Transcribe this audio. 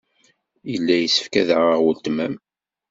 Yella yessefk ad aɣeɣ weltma-m.